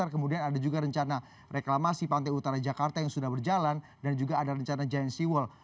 kemudian ada juga rencana reklamasi pantai utara jakarta yang sudah berjalan dan juga ada rencana giant sea wall